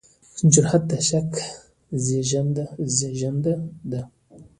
جرئت د شک زېږنده دی.